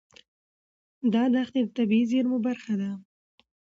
دا دښتې د طبیعي زیرمو برخه ده.